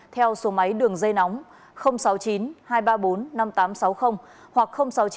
theo số máy đường dây nóng sáu mươi chín hai trăm ba mươi bốn năm nghìn tám trăm sáu mươi hoặc sáu mươi chín hai trăm ba mươi một một nghìn sáu trăm bảy